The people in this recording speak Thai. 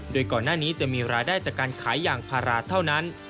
โดยก่อนหน้านี้จะมีรายได้จากการขายยางพาราเท่านั้น